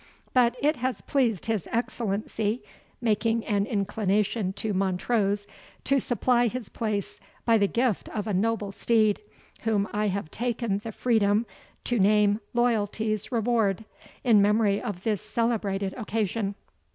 But it has pleased his Excellency" (making an inclination to Montrose) "to supply his place by the gift of a noble steed, whom I have taken the freedom to name 'LOYALTY'S REWARD,' in memory of this celebrated occasion."